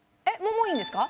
もういいんですか？